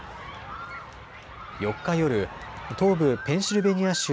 ４日夜、東部ペンシルベニア州